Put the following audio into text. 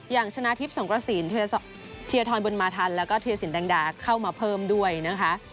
ชนะทิพย์สงกระสินเทียทรบุญมาทันแล้วก็เทียสินแดงดาเข้ามาเพิ่มด้วยนะคะ